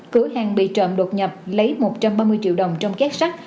cửa hàng bị trộm đột nhập lấy một trăm ba mươi triệu đồng trong két sắt